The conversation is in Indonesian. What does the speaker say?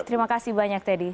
terima kasih banyak teddy